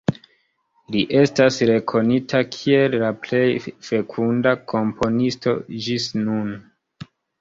Li estas rekonita kiel la plej fekunda komponisto ĝis nun.